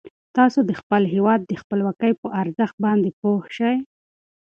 تاسو د خپل هیواد د خپلواکۍ په ارزښت باندې پوه شئ.